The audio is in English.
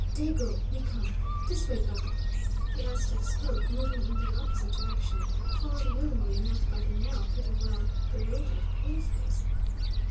"Dey go we come. Dis way, brother," the Aztec spoke, moving in the opposite direction, followed willingly enough by the now pretty well bewildered paleface.